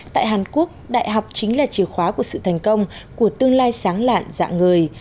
tại hàn quốc đại học chính là chìa khóa của sự thành công của tương lai sáng lạn dạng người